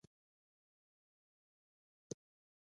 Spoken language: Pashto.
په لابراتوار کې باید تل ځانګړي کالي او عینکې وکاروو.